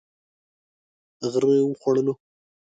غره و خوړلو.